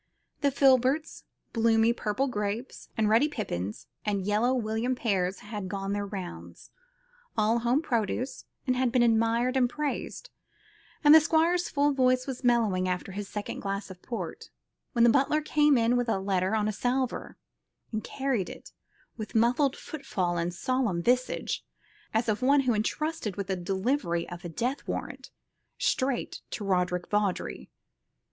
The filberts, bloomy purple grapes, and ruddy pippins, and yellow William pears had gone their rounds all home produce and had been admired and praised, and the Squire's full voice was mellowing after his second glass of port, when the butler came in with a letter on a salver, and carried it, with muffled footfall and solemn visage, as of one who entrusted with the delivery of a death warrant, straight to Roderick Vawdrey.